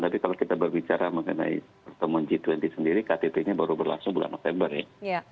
tapi kalau kita berbicara mengenai pertemuan g dua puluh sendiri ktt nya baru berlangsung bulan november ya